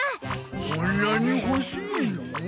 そんなに欲しいの？